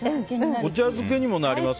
お茶漬けにもなるって。